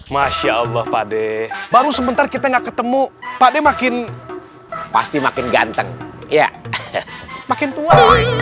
masya allah pade baru sebentar kita nggak ketemu pakde makin pasti makin ganteng ya makin tua